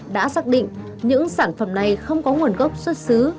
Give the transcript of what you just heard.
đã xác định những sản phẩm này không có nguồn gốc xuất xứ